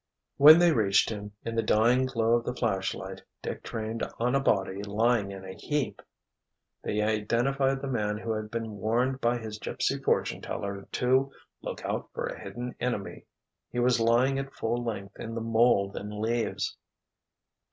When they reached him, in the dying glow of the flashlight Dick trained on a body lying in a heap, they identified the man who had been warned by his gypsy fortune teller to "look out for a hidden enemy." He was lying at full length in the mould and leaves.